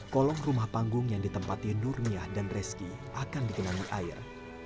kolong rumah panggung yang ditempati nurmiah dan reski akan dikenangi air